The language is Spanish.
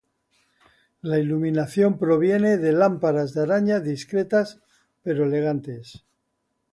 La iluminación proviene de lámparas de araña discretas pero elegantes.